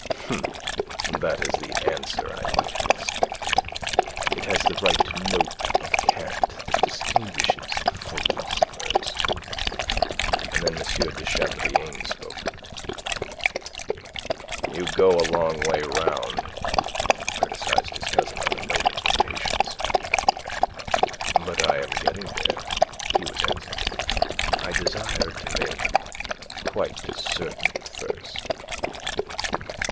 "That is the answer I might have expected. It has the right note of cant that distinguishes the philosophers." And then M. de Chabrillane spoke. "You go a long way round," he criticized his cousin, on a note of impatience. "But I am getting there," he was answered. "I desired to make quite certain first."